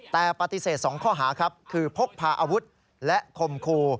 แต่ปฏิเสธ๒ข้อหาครับคือพกพาอาวุธและคมครู